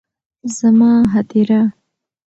زما هديره